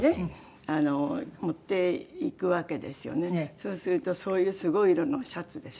そうするとそういうすごい色のシャツでしょ。